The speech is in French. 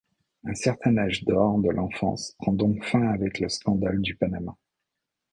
Un certain âge d'or de l'enfance prend donc fin avec le scandale du Panama.